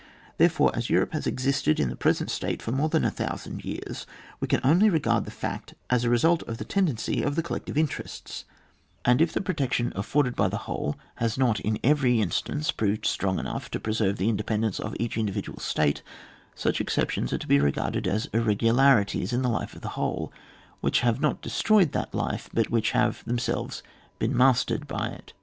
Therefore, as Europe has ex isted in its present state for more than a thousand years, we can only regard the fact as a result of that tendency of the collective interests ; and if the protection afforded by the whole haft not in every instance proved strong enough to pre serve the independence of each individual state, such exceptions are to be regarded as irregularities in the life of the whole, which have not destroyed that life, but have themselves been mastered by it.